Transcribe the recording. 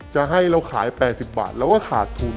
จะให้เราขาย๘๐บาทเราก็ขาดทุน